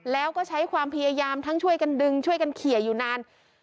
แล้วก็ใช้ความพยายามทั้งช่วยกันดึงช่วยกันเขียอยู่นาน